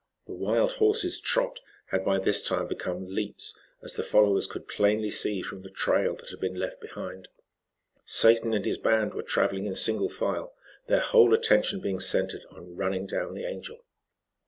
The wild horses' trot had by this time become leaps, as the followers could plainly see from the trail that had been left behind. Satan and his band were traveling in single file, their whole attention being centered on running down the Angel.